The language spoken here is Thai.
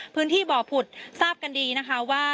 พื้นที่บ่อผุดทราบกันดีนะคะว่า